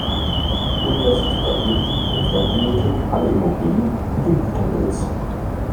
Die Universität erhielt die Klosterbibliothek, alle Immobilien und den Güterbesitz.